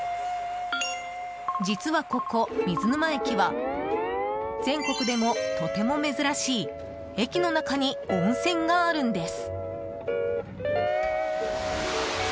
実はここ、水沼駅は全国でもとても珍しい駅の中に温泉があるんです。